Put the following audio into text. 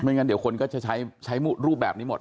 งั้นเดี๋ยวคนก็จะใช้รูปแบบนี้หมด